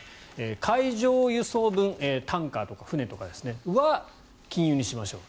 海上輸送分タンカーとか船とかは禁輸にしましょう。